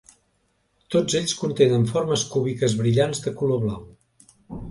Tots ells contenen formes cúbiques brillants de color blau.